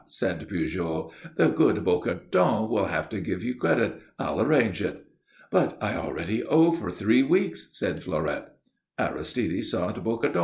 _" said Pujol. "The good Bocardon will have to give you credit. I'll arrange it." "But I already owe for three weeks," said Fleurette. Aristide sought Bocardon.